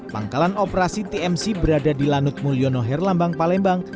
pangkalan operasi tmc berada di lanut mulyono herlambang palembang